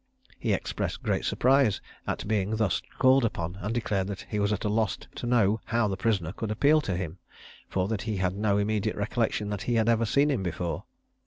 He expressed great surprise at being thus called upon, and declared that he was at a loss to know how the prisoner could appeal to him, for that he had no immediate recollection that he had ever seen him before.